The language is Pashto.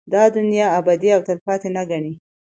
دا دنيا ابدي او تلپاتې نه گڼي